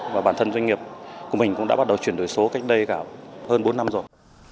và bản thân doanh nghiệp của mình cũng đã bắt đầu chuyển đổi số cách đây cả hơn bốn năm rồi